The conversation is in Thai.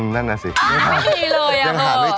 ขุนช่างจากป๕จีบถึงปี๑แล้วจีบติดไหมประเด็นเถอะติด